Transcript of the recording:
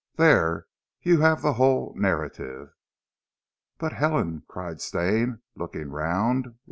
Dere you have zee whole narrative." "But Helen?" cried Stane, looking round.